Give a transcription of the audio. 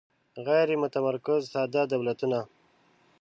غیر متمرکز ساده دولتونه